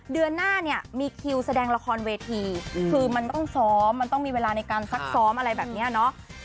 เดือนหน้าเนี่ยมีคิวแสดงละครเวทีคือมันต้องซ้อมมันต้องมีเวลาในการซักซ้อมอะไรแบบนี้เนาะ